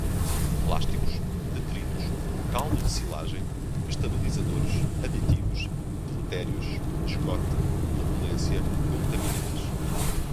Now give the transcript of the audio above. plásticos, detritos, caldo de silagem, estabilizadores, aditivos, deletérios, esgote, repelência, contaminantes